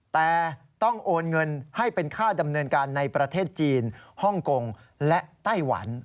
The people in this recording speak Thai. แต่ต้องโอนเงินให้เป็นค่าดำเนินการในประเทศจีนฮ่องกงและไต้หวัน